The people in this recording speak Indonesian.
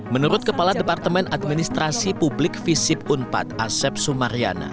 menurut kepala departemen administrasi publik visip unpad asep sumaryana